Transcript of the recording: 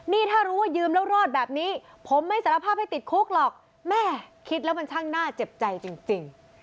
นี่ถ้ารู้ว่ายืมแล้วรอดแบบนี้ผมไม่สารภาพให้ติดคุกหรอกแม่คิดแล้วมันช่างหน้าเจ็บใจจริง